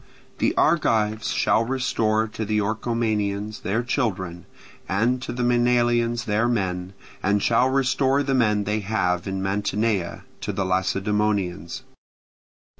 The Argives shall restore to the Orchomenians their children, and to the Maenalians their men, and shall restore the men they have in Mantinea to the Lacedaemonians.